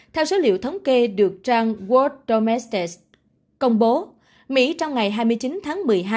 theo số liệu thống kê được trang wordermestays công bố mỹ trong ngày hai mươi chín tháng một mươi hai